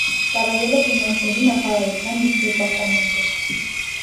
Ծառայել է ֆինանսների նախարարության դեպարտամենտում։